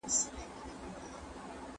د دولت سياسي تګلارې ټولنه اغېزمنوي.